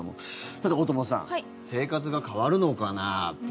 さて、大友さん生活が変わるのかな？と。